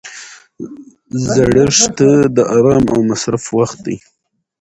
زړښت د ارام او مصرف وخت دی.